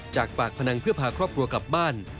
จากปากพนังเพื่อพาครอบครัวกลับบ้าน